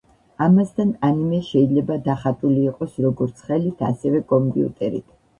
ამასთან ანიმე შეიძლება დახატული იყოს, როგორც ხელით, ასევე კომპიუტერით.